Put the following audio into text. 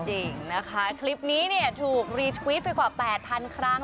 จริงนะคะคลิปนี้ถูกรีดทวิทย์ไปกว่า๘๐๐๐ครั้ง